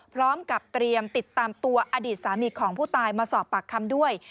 พร้อมกับเตรียมติดตามตัวอดีตสามีของผู้ตายมาสอบปากคำด้วย